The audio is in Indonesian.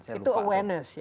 itu awareness ya